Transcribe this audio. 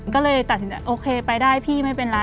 ก็เลยตัดสินใจโอเคไปได้พี่ไม่เป็นไร